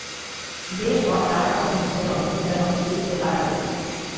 যে-সব তার অনেক ধ্যানের অনেক চিন্তার কথা সেই ছিল তার আলাপের বিষয়।